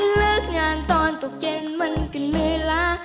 เลิกงานตอนตกเย็นมันก็เหนื่อยละ